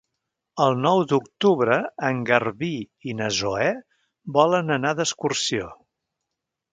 El nou d'octubre en Garbí i na Zoè volen anar d'excursió.